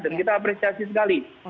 dan kita apresiasi sekali